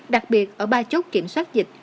đặc biệt ở ba chốt kiểm soát dịch